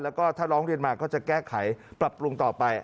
แล้วก็ถ้าร้องเรียนมาก็จะแก้ไขปรับปรุงต่อไป